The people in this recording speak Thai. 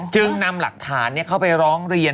จึงนำหลักฐานเข้าไปร้องเรียน